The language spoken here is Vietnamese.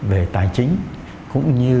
về tài chính cũng như